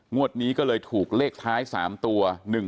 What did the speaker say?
งวดนี้ก็เลยถูกเลขท้าย๓ตัว